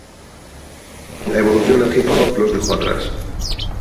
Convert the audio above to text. La evolución del Hip Hop los dejó atrás.